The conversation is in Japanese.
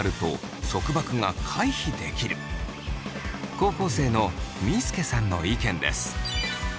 高校生のみーすけさんの意見です。